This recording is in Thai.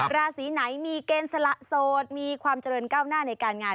ราศีไหนมีเกณฑ์สละโสดมีความเจริญก้าวหน้าในการงาน